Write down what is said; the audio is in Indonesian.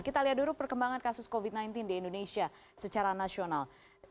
kita lihat dulu perkembangan kasus covid sembilan belas di indonesia secara nasional